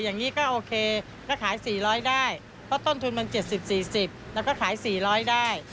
อย่างนี้ก็โอเคก็ขาย๔๐๐ได้เพราะต้นทุนมัน๗๐๔๐แล้วก็ขาย๔๐๐ได้